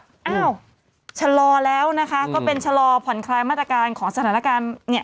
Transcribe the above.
อ้าวชะลอแล้วนะคะก็เป็นชะลอผ่อนคลายมาตรการของสถานการณ์เนี่ย